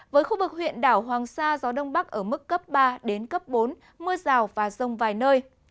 với khu vực huyện đảo hoàng sa gió đông bắc ở mức cấp ba đến cấp bốn mưa rào và rông vài nơi